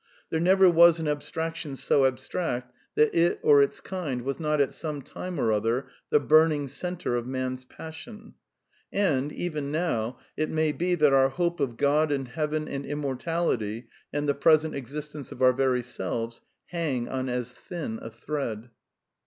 There never was an abstraction so abstract that it or its kind was not at some time or other the burning centre of man's passion ; and, even now, it may be that our hope of Ood and heaven and immortality, and the present existence of our very selves hang on as thin a thread.